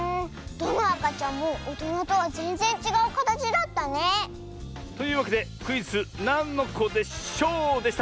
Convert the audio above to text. どのあかちゃんもおとなとはぜんぜんちがうかたちだったね。というわけでクイズ「なんのこでショー」でした！